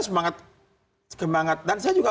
semangat dan saya juga